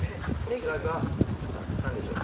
こちらが何でしょう？